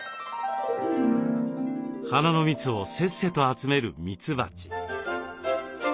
花の蜜をせっせと集めるミツバチ。